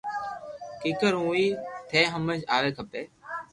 ڪيڪر ھون ئي ٿني ھمج آوي کپي